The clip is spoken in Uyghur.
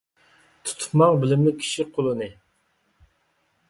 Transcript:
تۇتۇپ ماڭ بىلىملىك كىشى قولىنى.